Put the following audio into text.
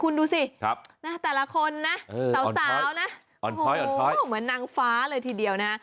คุณดูสิแต่ละคนนะสาวนะเหมือนนางฟ้าเลยทีเดียวนะ